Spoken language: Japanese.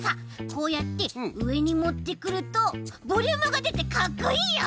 こうやってうえにもってくるとボリュームがでてかっこいいよ！